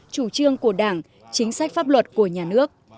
chủ trương của đảng chính sách pháp luật của nhà nước